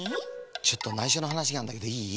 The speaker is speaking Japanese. ちょっとないしょのはなしがあるんだけどいい？